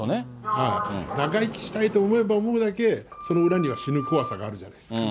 長生きしたいと思えば思うだけ、その裏には死ぬ怖さがあるじゃないですか。